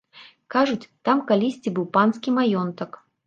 Кажуць, там калісьці быў панскі маёнтак.